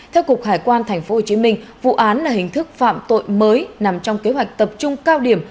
theo cục hải quan tp hcm vụ án là hình thức phạm tội mới nằm trong kế hoạch tập trung cao điểm